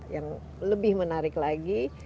yang lebih menarik lagi